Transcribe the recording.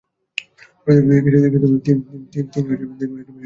তিনি ছিটকে পড়লেন।